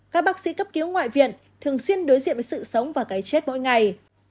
các bác sĩ cấp cứu ngoại viện thường xuyên đối diện với sự sống và cái chết mỗi ngày